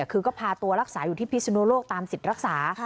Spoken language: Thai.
คือก็พาตัวรักษาอยู่ที่พิศนุโลกตามสิทธิ์รักษา